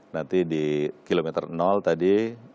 nanti di kilometer tadi